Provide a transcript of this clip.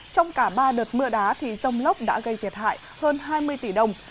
trong cả ba đợt mưa đá thì rông lốc đã gây thiệt hại hơn hai mươi tỷ đồng